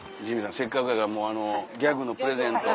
せっかくやからもうあのギャグのプレゼント。